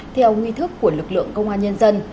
theo nghi thức của lực lượng công an nhân dân